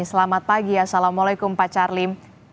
selamat pagi ya assalamualaikum pak carlim